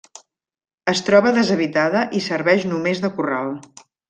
Es troba deshabitada i serveix només de corral.